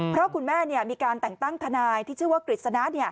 เพราะคุณแม่มีการแต่งตั้งทนายที่ชื่อว่ากฤษณะ